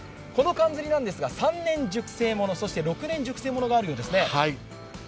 この、かんずりなんですが３年熟成ものそして６年熟成ものがあるようですね。